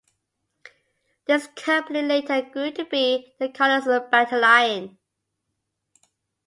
This company later grew to be the Kaunas Battalion.